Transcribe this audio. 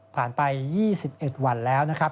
ไป๒๑วันแล้วนะครับ